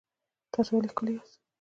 تاسو ولې ښکلي یاست؟